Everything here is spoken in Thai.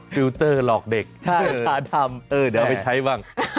ฟิลเตอร์หลอกเด็กตาทำเออเดี๋ยวเอาไปใช้บ้าง